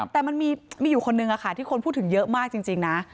แต่มันมีคนหนึ่งค่ะที่คนพูดถึงเยอะมากจริงนะ